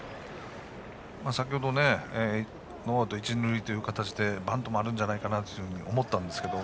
先ほどノーアウト、一二塁で晩ともあるんじゃないかなと思ったんですけど。